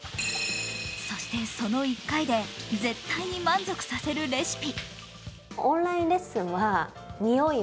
そしてその１回で絶対に満足させるレシピ。